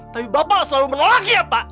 tapi bapak selalu menolak ya pak